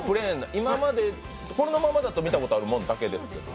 このままだと見たことあるものだけですけれども。